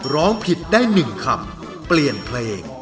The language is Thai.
ร้องผิดได้๑คำเปลี่ยนเพลง